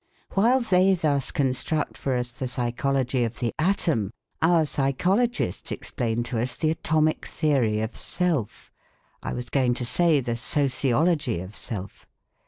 While they thus construct for us the psychology of the atom, our psychologists explain to us the atomic theory of self, I was going to say the sociology of self.